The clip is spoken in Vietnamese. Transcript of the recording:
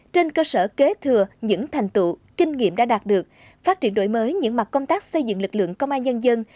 trên cơ sở kế thừa những thành tựu kinh nghiệm đã đạt được phát triển đổi mới những mặt công tác xây dựng lực lượng công an nhân dân